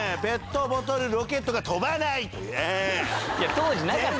当時なかったよ。